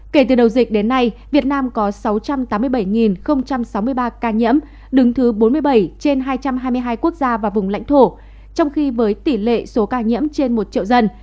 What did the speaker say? kể từ đầu dịch đến nay việt nam có sáu trăm tám mươi bảy sáu mươi ba ca nhiễm đứng thứ bốn mươi bảy trên hai trăm hai mươi hai quốc gia và vùng lãnh thổ trong khi với tỷ lệ số ca nhiễm trên một triệu dân